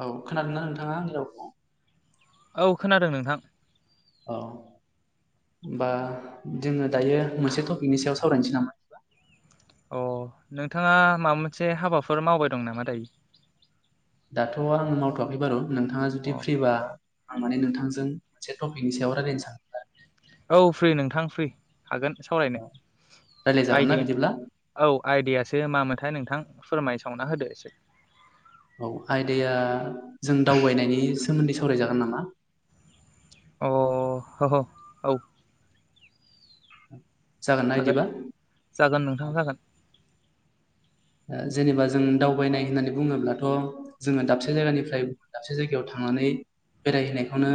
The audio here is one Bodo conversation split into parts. औ खोनादों ना नोंथाङा आंनि रावखौ? औ खोनादों नोंथां। औ होमबा जोङो दायो मोनसे टपिकनि सायाव सावरायनोसै नामा? अ नोंथाङा माबा मोनसे हाबाफोर मावबाय दं नामा दायो? दाथ' आं मावथ'वाखै बारु नोंथाङा अ जुदि फ्रिबा आं माने नोंथांजों मोनसे टपिकनि सायाव रायजलायनो सानदोंमोन आरो? औ फ्रि नोंथां फ्रि। हागोन सावरायनो आरो रायलायजागोन ना आयदि बिदिब्ला औ आइदायासो मामोनथाय नोंथां? फोरमाय सावना होदो एसे? औ आयदाया जों दावबायनायनि सोमोन्दै सावरायजागोन नामा? अह ह औ [inaudible] ना हागोन बिदिबा जागोन ओ, नोंथां जागोन। जेनेबा जों दावबायनाय होननानै बुङोब्लाथ' जोङो दाबसे जायगानिफ्राय दाबसे जायगायाव थांनानै बेरायहैनायखौनो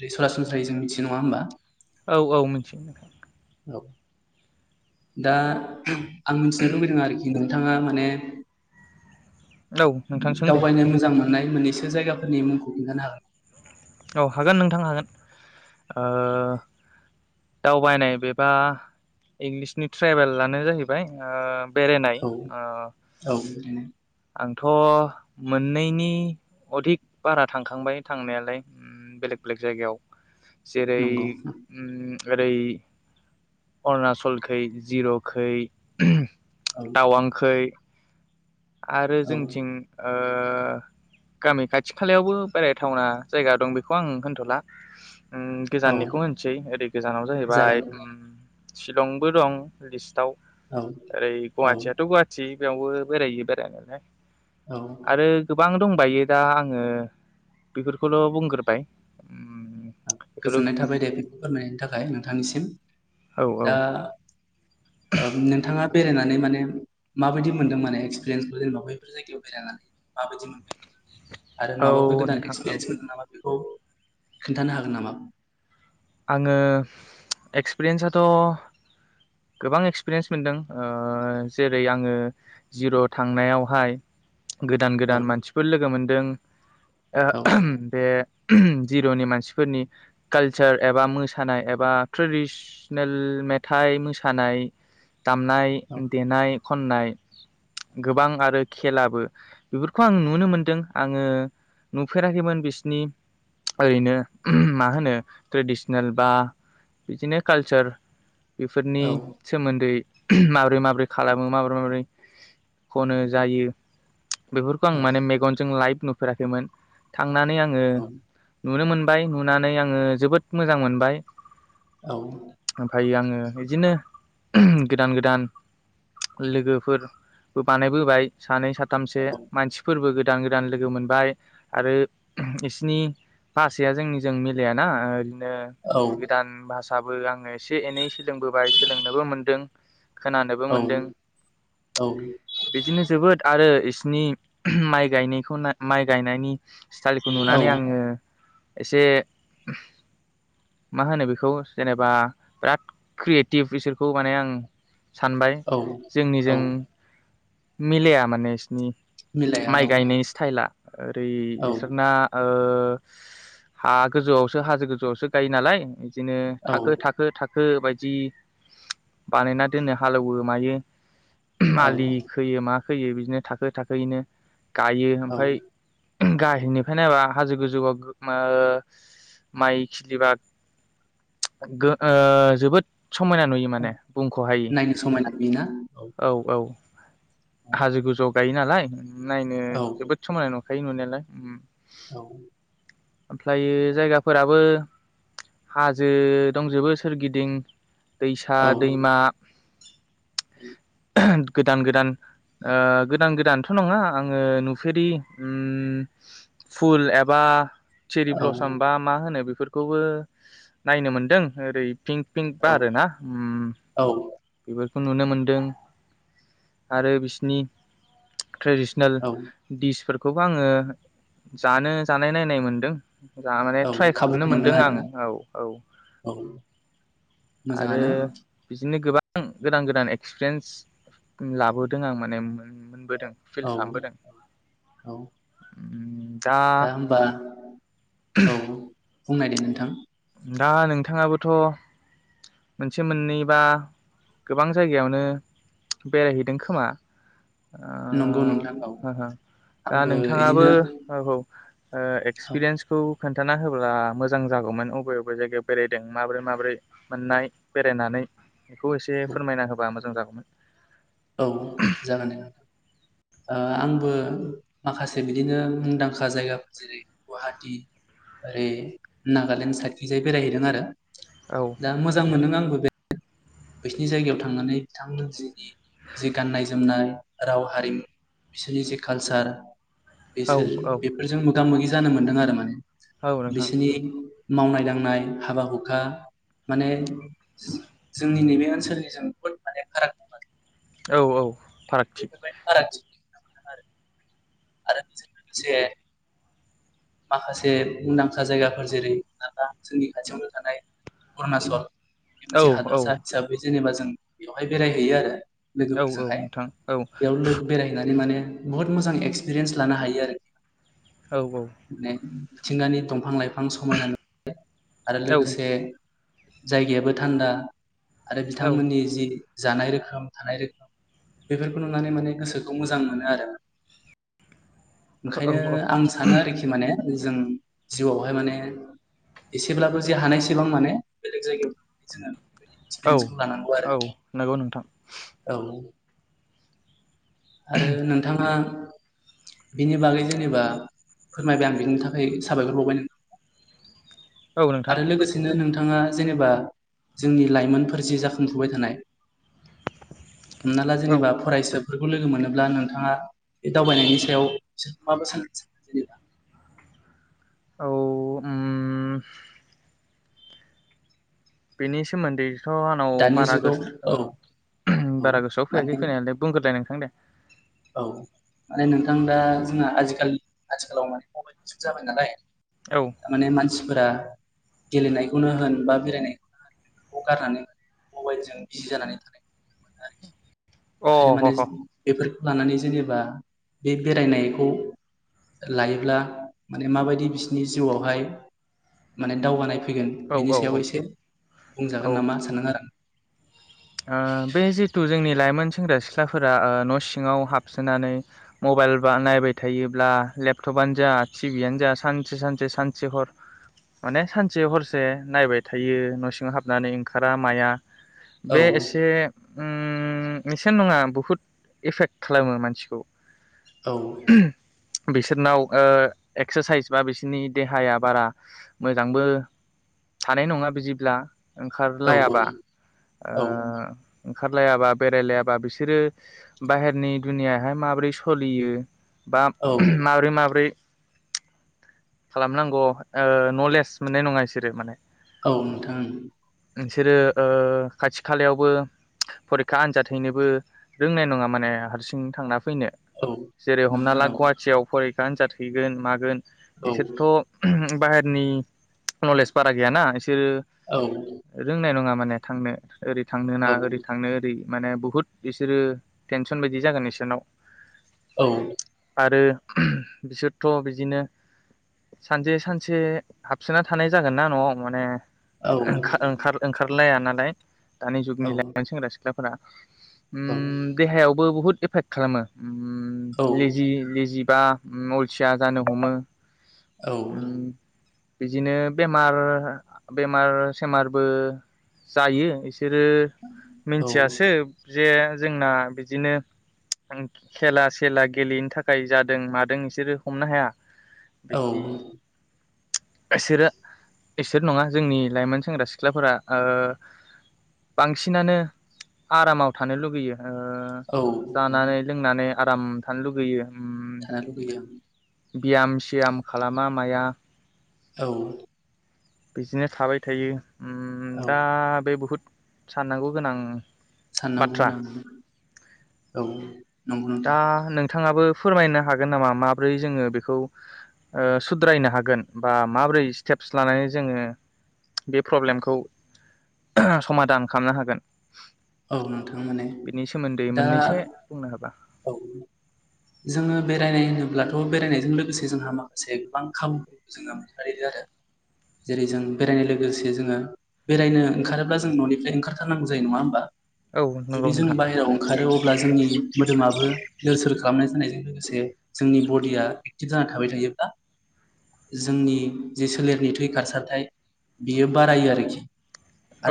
ओै सरासनस्रायै जों मिथिनाय नङा होमबा? औ औ मिथियो नोंथां। औ दा आं मिथिनो लुबैदों आरोखि ना नोंथाङा माने औ नोंथां सों दे दावबायनो मोजां मोननाय मोननैसो जायगाफोरनि मुंखौ खिन्थानो हागोन। औ हागोन नोंथां हागोन ओ दावबायनाय बेबा इंलिसनि ट्रेभेलानो जाहैबाय ओ बेरायनाय औ ओ औ ओरैनो आं थ' मोननैनि अधिक बारा थांखांबाय थांनायालाय बेलेग बेलेक जायगायाव जेरै नंगौ उम ओरै अरुणाचलखै जिर'खै औ टावांखै आरो औ जोंथिं ओ ओ गामि खाथि खालायावबो बेरायथावना जायगा दं बेखौ आं होनथ'ला औ गोजाननिखौ होनसै ओरै गोजानाव जाहैबाय। जागोन शिलंबो दं लिस्टाव औ ऐ औ गुवाथियाथ' गुवाथि बेयावबो बेरायो। [unintelligible] औ आरो गोबां दं बायो दा आङो बेफोरखौल' बुंग्रोबाय। उम बेफोर गोजोननाय थाबाय दे फोरमायनायनि थाखाय नों थांसिम। औ औ दा ओ नोंथाङा बेरायनानै माने माबायदि मोन्दों माने एक्सपिरियेन्सखौ जेनेबा बैफोर जायगायाव बेरायनानै माबायदि मोनदों। आरो माबाफोर औ गोदान नोंथां औ एक्सपिरियेन्स मोनदों नामा औ। खोन्थानो हागोन नामा? आङो एक्सपिरियेन्साथ' गोबां एक्सपिरियेन्स मोनदों जेरै आङो जिर' थांनायावहाय गोदान औ गोदान मानसिफोर लोगो मोन जों औ ओ [unintelligible] बे जिर'नि मानसिफोरनि काल चार एबा मोसानाय एबा ट्रेडिस नेल मेथाइ मोसानाय दामनाय औ देनाय खननाय गोबां आरो खेलाबो बेफोरखौ आं नुनो मोनदों आंङो नुफेराखैमोन बिसिनि ओरैनो मा होनो ट्रेडिसनेल बा बिदिनो कालचार बेफोरनि औ सोमोन्दै माबोरै माबोरै खालामो माबोरै माबोरै खनो जायो। बेफोरखौ आं औ माने मेगनजों लाइभ नुफेराखैमोन थां नानै आंङो औ नुनो मोन बाय नुनानै आङो जोबोद मोजां मोनबाय। ओमफ्राय आंङो बिदिनो गोदान-गोदान लोगोफोर बो बानायबोबाय। सानै साथामसो मानसिफोरबो गोद गोदान-गोदान लोगो मोनबाय आरो बिसिनि भासाया जोंनिजों मिलायाना ओ नों गोदान भास बाबो आंङो से एनै सोलोंबोबाय सोलोंनोबो मोनदों। खोनानोबो मोनदों औ-औ-औ-औ-औ-औ-औ बिदिनो जोबोद आरो बिसिनि माइ गायनायखौ माइ गायनायनि स्टाइलखौ नुनानै आङो एसे मा होनो बेखौ जेनेबा बिराद क्रियेटिभ बिसोरखौ माने आं सानबाय जोंनि जों मिलाया माने एसिनि मिलाया माइ गायनाय स्टाइला ओरै बिसोरना ओ हा गोजौआवसो हाजो गोजौ जौआवसो गायो नालाय बिदिनो औ-औ-औ-औ-औ थाखो-थाखो-थाखो हो बायदि बानायना दोननो हालेवो मायो मालि खोयो मा फैयो बिदिनो थाखो थाखोयैनो गायो ओमफ्राय गाहायनिफ्राय नायबा हाजो गोजौआव ओ माइ खिलिबा गो ओ जोबोद समायना नुयो माने बुंख'हायि नायनो समायना बेना औ-औ हाजो गोजौ गायो नालाय नायनो जोबोद समायना नं खायो नुनायालाय ओम औ ओमफ्रायो जायगाफोराबो हाजो दंजोबो सोरगिदिं दैसा दैमा [unintelligible] गोदान गोदान ओ गोदान गोदानथ' नङा आङो नुफेरि ओम फुल एबा चेरि ब्ल'सम बा मा होनो बेफोर खौबो नायनो मोनदों ओरै पिंक पिंक बारो ना ओम बेफोर खौ नुनो मोनदों आरो बिसिनि ट्रेडिसनेल डिसफोर खौबो आङो जानो जानाय नायनाय मोनदों जा माने ट्राय खाबुखौ मोनदों आं आरोना औ औ औ आरो मोजाङानो बिजो नि गोबां गोदान गोदान एक्सपिरियेन्स लाबोदों आं माने फिल औ खालामबोदों औ दा औ बुंनायदो नोंथां दा नोंथाङाबोथ' मोनसे मोननैबा गोबां जायगायावनो बेरायहैदों खोमा नंगौ नोंथां औ दा आंबो नोंथाङाबो इदिनो औ ओ एक्सपिरियेन्सखौ खोन्थाना होब्ला मोजां जागौमोन अब बे बबे जायगायाव बेरायदों माब्रै माब्रै मोननाय बेरायनानै बेखौ एसे फोरमायना होबा मोजां जागौ [inaudible] औ जागोन दे ओ आंबो माखासे बिदिनो मुंदांखा जायगाफोर जेरै गुवाहाटि ओरै नागालेण्ड साइडखिजाय बेरायहैदों आरो औ दा मोजां मोनो आंबो बे बिसिनि जायगायाव थांनानै बिथांमोन जिनि जे गाननाय जोमनाय राव हारिमु बिसोरनि जे कालचार औ बेसोर औ बेफोरजों मोगा मोगि जानो मोन्दों आरो माने औ नोंथां बिसिनि मावनाय दांनाय हाबा हुखा माने जि जोंनि नैबे ओनसोलनिजों बुहुद माने फाराग [unintelligible] औ औ। फारागथि बेफोरबायदि [unintelligible] आरो बेजों लोगोसे माखासे मुंदांखा जायगाफोर जेरै माबा जोंनि खाथियावनो थानाय अरुणाचल बे मोनसे औ हादरसा औ हिसाबै जेनेबा जों बेवहाय बेरायहैयो आरो। औ औ लोगोफोरजोंहाय नोंथां औ बेयाव बेरायहैनानै माने बहत मोजां एक्सपिरियेन्स लानो हायो आरो। औ औ। माने मिथिंगानि दंफां लाइफां समायना [unintelligible] आरो औ लोगोसे जायगायाबो थान्दा आरो बिथांमोननि जि जानाय रोखोम थानाय रोखोम बेफोरखौ नुनानै माने गोसोखौ मोजां मोनो आरो। ओंखायनो औ आं सानो आरोखि माने जों जिउआवहाय माने एसेब्लाबो जे हानायसेबां माने बेलेग जायगायाव जोङो औ एक्सपिरियेन्सखौ लानांगौ आरो औ नंगौ नोंथां औ। आरो नोंथाङा बिनि बागै जेनेबा फोरमायबाय आं बिनि थाखाय साबायखर बावबाय नोंथांखौ। औ नोंथां आरो लोगोसेनो नों नोंथाङा जेनेबा जोंनि लाइमोनफोर जि जाखांफुबाय थानाय हमना ला औ जेनेबा फरायसा खौ लोगो मोनोब्ला नोंथाङा बे दावबायनायनि सायाव बिसोरखौ माबा सान सान जेनेबा औ उम बेनि सोमोन्दै थ' आंनाव दानि बारा गो जुगाव औ औ बारा गोसोआव फैयाखै माने फैनायालाय बुंग्रोलाय नों ओं दे। औ माने नोंथां दा जोंना आजिखाल आथिखालाव माने मबाइल जुग जाबाय नालाय औ थारमाने मानसि फोरा गेलेनायखौनो होन बा बेरायनायखौनो होन बेफोरखौ गारनानै होन मबाइलजों बिजि जानानै थानायखौ नुनो मोनो आरोखि। अ ओंखायनो ह माने ह बेफोर लानानै जेनेबा बे बेरायनायखौ लायोब्ला माने माबायदि बिसिनि जिउआवहाय माने दावगानाय फैगोन औ बिनि सायाव औ एसे बुंजागोन नामा सानदों आरो आं। ओ बे जिथु जोंनि लाइमोन सेंग्रा सिख्लाफोरा न' सिङाव हाबसोनानै मबाइल बा नायबाय थायोब्ला लेपटपनो जा टिभियानो जा सानसे सानसे सानसे हर माने सानसे हरसे नायबाय थायो न' सिङाव हाबनानै ओंखारा माया आं। औ बे एसे ओम एसे नङा बहुथ एफेक्ट खालामो मानसिखौ औ बिसोरनाव ओ एक्सारसाइस बा बिसोरनि देहाया बारा मोजांबो थानाय नङा बिदिब्ला औ ओंखारलायाबा ओ औ ओंखारलायाबा बेरायलायाबा बिसोरो बाहेरनि दुनियाहाय माबोरै सलियो बा औ माबोरै माबोरै खालामनांगौ ओ नलेज मोननाय नङा इसोरो माने औ नोंथां नोंसोरो ओ खाथि खालायावबो फरिखा आनजाद हैनोबो रोंनाय नङा माने हारसिं थांना फैनो औ जेरै हमना नोंथां ला औ गुवाहाटियाव फर आन्जाद हैगोन मागोन औ इसोरथ' बाहेरनि नलेज बारा गैया ना औ बिसोरो रोंनाय नङा माने थांनो ओरै थांनो ना औ ओरै थांनो ओरै माने बहुत बिसोरो टेनसन बायदि जागोन इसोरनाव औ आरो बिसोरथ' बिदिनो सानसे सानसे हाबसोना थानाय जागोन ना न'आव माने ओंखार ओंखार ओंखार लाया नालाय दानि जुगनि लाइमोन सेंग्रा सिख्ला फोरा। उम देहायावबो बुहुत एफेक्ट खालामो लेजि लेजि बा ओम अलसिया जानो हमो औ उम बिदिनो बेमार बेमार-सेमारबो जायो। बिसोरो औ मिथियासो औ जे जोंना बिदिनो खेला-सेला गेलेयैनि थाखाय जादों मादों बिसोरो हमनो हाया औ बेदि बिसोरो बिसोर नङा जोंनि लाइमोन सेंग्रा सिख्लाफोरा ओ बांसिनानो आरामाव थानो लुगैयो। ओ औ जानानै लोंनानै आराम थानो लुगैयो ओम थानो लुबैयो बियाम-सियाम खालामा माया औ बिदिनो थाबाय थायो। ओम औ दा बे बहुद साननांगौ गोनां साननांगौ बाथ्रा होनाङानो औ नंगौ नोंथां। बिथांङाबो फोरमायनो हागोन नामा माबोरै जोंङो बेखौ ओ सुद्रायनो हागोन बा माबोरै स्टेपस लानानै जोंङो बे प्रब्लेमखौ समादान खालामनो हागोन औ नोंथां मोने बिनि सोमोन्दै दा मोननैसो बुंनो हाबा औ जोंङो बेरायनाय होनोब्लाथ' बेरायनायजों लोगोसे जोंहा माखासे गोबां खाबुफोरखौ जोङो मोनदों आरो जेरै जों बेरायनाय लोगोसे जोङो बेरायनो ओंखारोब्ला जों न'निफ्राय ओंखारथारनांगौ जायो नंङा होमबा औ जुदि नंगौ जों नोंथां बायहेरायाव ओंखारो अब्ला जोंनि मोदोमाबो लोर सोर खालामनाय जानायजों लोगोसे जोंनि बडिया एक्टिभ जाना थाबाय थायोब्ला जोंनि जे सोलेरनि थै खारसारथाय बियो बारायो आरोखि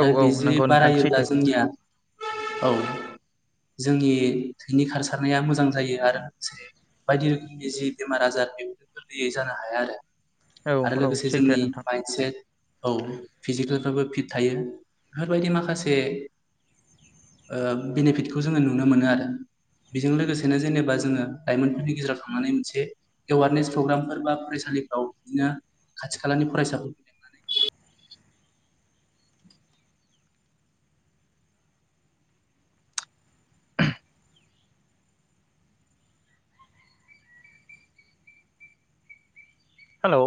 औ औ बिदि नंगौ नोंथां बारायोब्ला सैथो जोंनिया औ जोंनि थैनि खारसारनाया मोजां जायो आरो लोगोसे बायदि रोखोमनि जि बेमार आजार बे गोरलैयै जानो हाया आरो औ आरो औ लोगोसे सैथो जोंनि नोंथां माइन्सेट औ फिजिकेलफ्राबो फिट थायो बेफोरबायदि माखासे बेनिफिटखौ जोङो नुनो मोनो आरो बेजों लोगोसे बिनो जेनेबा जोंङो लाइमोनफोरनि गेजेराव थांनानै मोनसे एवारनेस प्रग्रामफोर बा फरायसालिफ्राव बिदिनो खाथि खालानि फरायसाफोरखौ लेंनानै हेलौ